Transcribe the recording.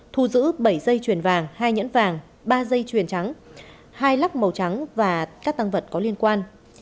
thu giữ bảy dây chuyền vàng hai nhẫn vàng ba dây chuyền trắng hai lắc màu trắng và các tăng vật có liên quan